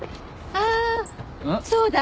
ああそうだ。